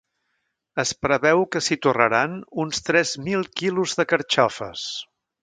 Es preveu que s’hi torraran uns tres mil quilos de carxofes.